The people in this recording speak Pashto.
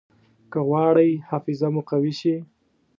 که غواړئ حافظه مو قوي شي.